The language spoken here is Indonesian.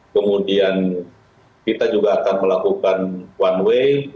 kemudian kita juga akan melakukan one way